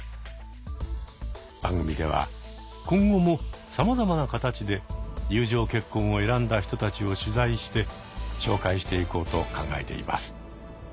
番組では今後もさまざまな形で友情結婚を選んだ人たちを取材して紹介していこうと考えています。